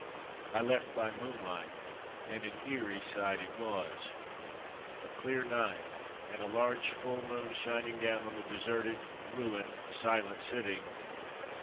I left by moonlight, and an eerie sight it was. A clear night, and a large, full moon shining down on the deserted, ruined, silent city.